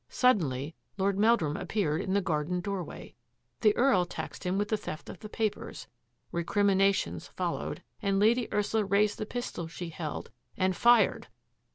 Suddenly Lord Meldrum appeared in the garden doorway. The Earl taxed him with the theft of the papers, recriminations followed, and Lady Ursula raised the pistol she held — and fired